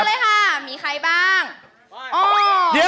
สวัสดีค่ะ